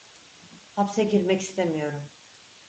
Hapse girmek istemiyorum.